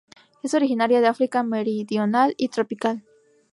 Es originaria de África meridional y tropical.